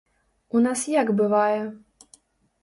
У нас як бывае?